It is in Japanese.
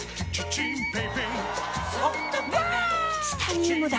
チタニウムだ！